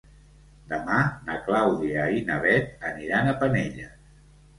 Demà na Clàudia i na Bet aniran a Penelles.